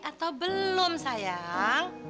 atau belum sayang